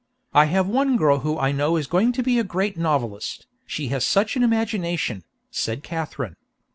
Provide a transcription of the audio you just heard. I have one girl who I know is going to be a great novelist, she has such an imagination," said Katherine.